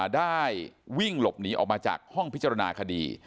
ได้วิ่งหลบหนีออกมาจากห้องพิจารณาคดี